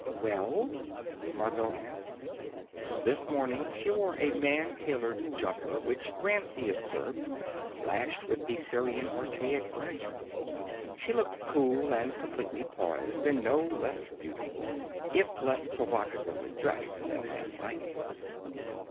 "Well?" Margot asked. This morning she wore a man tailored jumper which, Ramsey observed, clashed with the Sirian archaic furniture. She looked cool and completely poised and no less beautiful, if less provocatively dressed, than last night.